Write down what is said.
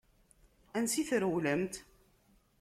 Ansa i trewlemt?